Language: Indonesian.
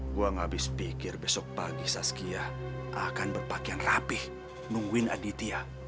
gua gak habis pikir besok pagi saskia akan berpakaian rapih nungguin aditya